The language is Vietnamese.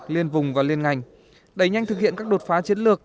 liên vùng và liên ngành đẩy nhanh thực hiện các đột phá chiến lược